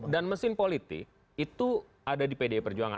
dan mesin politik itu ada di pdi perjuangan